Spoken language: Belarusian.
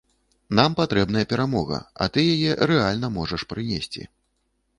Нам патрэбная перамога, а ты яе рэальна можаш прынесці.